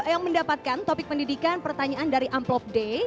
yang mendapatkan topik pendidikan pertanyaan dari amplop d